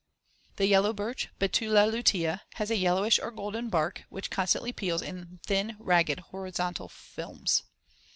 ] The yellow birch (Betula lutea) has a yellowish or golden bark which constantly peels in thin, ragged, horizontal films.